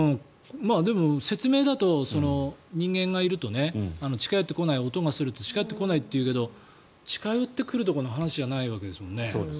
でも、説明だと人間がいると、音がすると近寄ってこないというけど近寄ってくるとかの話じゃないわけですもんね。